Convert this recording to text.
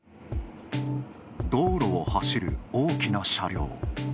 道路を走る大きな車両。